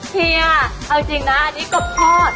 เฮียเอาจริงนะอันนี้กบทอด